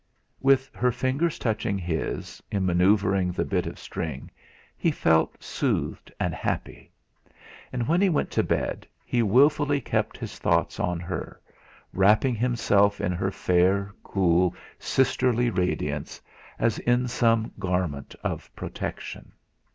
With her fingers touching his, in manoeuvring the bit of string, he felt soothed and happy. And when he went to bed he wilfully kept his thoughts on her, wrapping himself in her fair, cool sisterly radiance, as in some garment of protection.